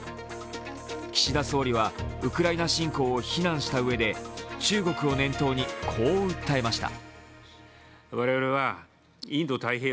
岸田総理はウクライナ侵攻を非難したうえで中国を念頭にこう訴えました。